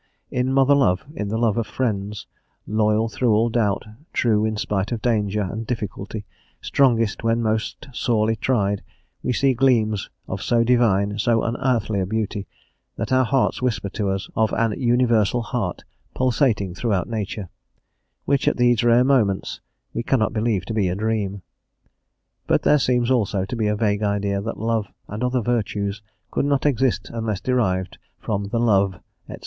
In mother love, in the love of friends, loyal through all doubt, true in spite of danger and difficulty, strongest when most sorely tried, we see gleams of so divine, so unearthly a beauty, that our hearts whisper to us of an universal heart pulsating throughout nature, which, at these rare moments, we cannot believe to be a dream. But there seems, also, to be a vague idea that love and other virtues could not exist unless derived from the Love, &c.